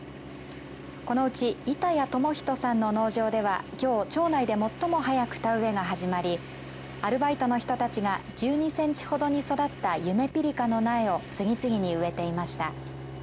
このうち板谷智徳さんの農場ではきょう、町内で最も早く田植えが始まりアルバイトの人たちが１２センチほどに育ったゆめぴりかの苗を次々に植えていました。